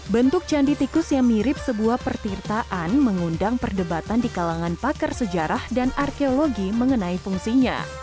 bentuk candi tikus yang mirip sebuah pertirtaan mengundang perdebatan di kalangan pakar sejarah dan arkeologi mengenai fungsinya